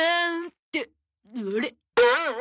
ってあれ？